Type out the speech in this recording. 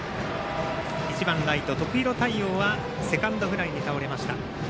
１番ライト、徳弘太陽はセカンドフライに倒れました。